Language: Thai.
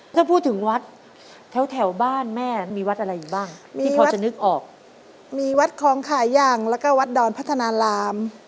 ถ้าพูดถึงวัดแถวแถวบ้านแม่มีวัดอะไรอยู่บ้างที่พอจะนึกออกมีวัดคลองขายังแล้วก็วัดดอนพัฒนาราม